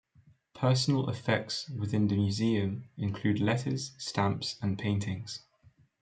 Personal effects within the museum include letters, stamps, and paintings.